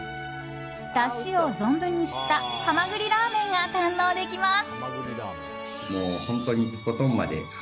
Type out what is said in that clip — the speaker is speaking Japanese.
だしを存分に吸ったはまぐりラーメンが堪能できます。